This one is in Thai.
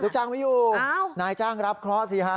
จ้างไม่อยู่นายจ้างรับเคราะห์สิฮะ